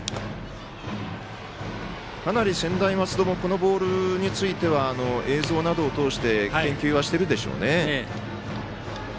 かなり専大松戸もこのボール映像などを通して研究しているでしょうね。